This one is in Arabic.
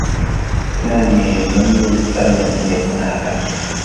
سامي لم يرد أبدا أن يكون هكذا